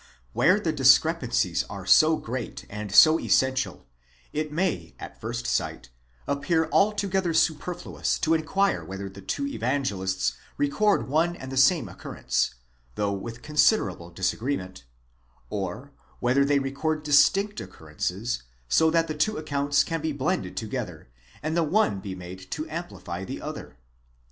Where the discrepancies are so great and so essential, it may, at first sight, appear altogether superfluous to inquire whether the two Evangelists record one and the same occurrence, though with considerable disagreement ; or whether they record distinct occurrences, so that the two accounts can be blended together, and the one be made to amplify the other?